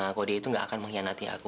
kalo dia itu nggak akan mengkhianati aku